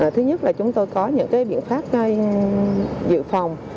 thứ nhất là chúng tôi có những biện pháp dự phòng